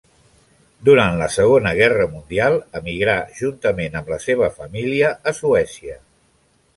Durant la Segona Guerra Mundial emigrà, juntament amb la seva família, a Suècia.